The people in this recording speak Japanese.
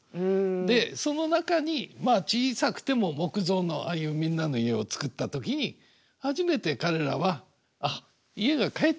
でその中にまあ小さくても木造のああいうみんなの家を作った時に初めて彼らは「あっ家が帰ってきた」っていうふうに思ってくれたんですね。